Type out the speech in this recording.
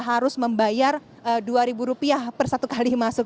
harus membayar rp dua per satu kali masuk